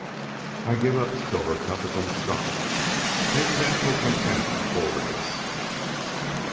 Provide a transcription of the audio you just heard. "I give up Silver Cup and my stock. Maybe that will content Holderness."